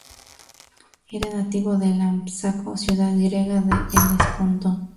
Era nativo de Lámpsaco, ciudad griega del Helesponto.